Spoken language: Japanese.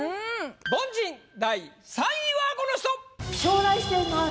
凡人第３位はこの人！